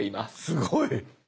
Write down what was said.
すごい！